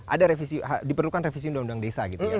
ada revisi diperlukan revisi undang undang desa